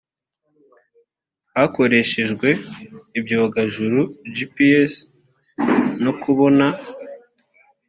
hakoreshejwe ibyogajuru gps no kubona